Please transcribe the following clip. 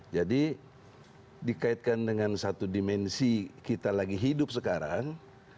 jadi dikaitkan dengan satu dimensi kita lagi hidup sekarang